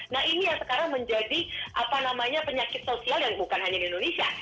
nah ini yang sekarang menjadi penyakit sosial yang bukan hanya di indonesia